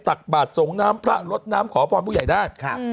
ตักบาทส่งน้ำพระลดน้ำขอพรผู้ใหญ่ได้ครับ